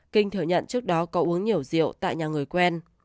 kinh thừa nhận trước đó có uống nhiều rượu tại nhà người quen